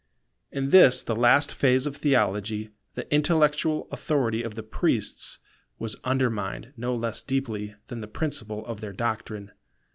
In this the last phase of theology, the intellectual authority of the priests was undermined no less deeply than the principle of their doctrine.